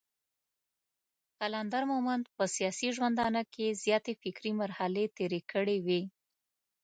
قلندر مومند په سياسي ژوندانه کې زياتې فکري مرحلې تېرې کړې وې.